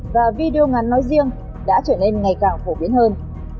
và video ngắn nói riêng đã trở nên ngày càng phổ biến hơn